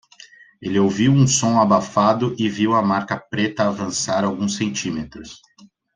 Ele ouviu um som abafado e viu a marca preta avançar alguns centímetros.